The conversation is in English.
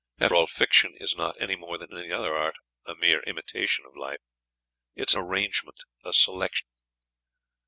After all, fiction is not, any more than any other art, a mere imitation of life: it is an arrangement, a selection.